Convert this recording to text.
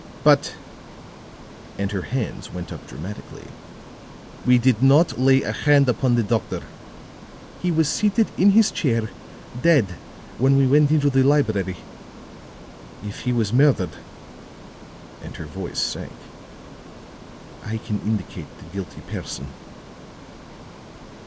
"But," and her hands went up dramatically, "we did not lay a hand upon the doctor. He was seated in his chair, dead, when we went into the library. If he was murdered," and her voice sank, "I can indicate the guilty person."